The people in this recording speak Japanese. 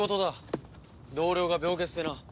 同僚が病欠でな。